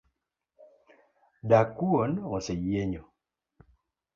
Dakwuon oseyienyo